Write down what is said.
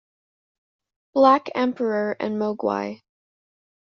Black Emperor and Mogwai.